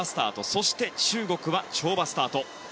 そして中国は跳馬スタート。